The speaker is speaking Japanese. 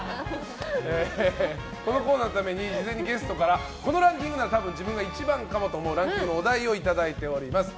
このコーナーのために事前にゲストからこのランキングなら多分、自分が１番かもと思うランキングのお題をいただいております。